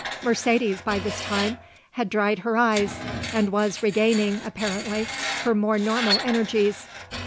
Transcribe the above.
Mercedes, by this time, had dried her eyes and was regaining, apparently, her more normal energies.